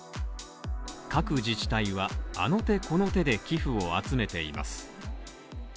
各自治体はあの手この手で寄付を集めています。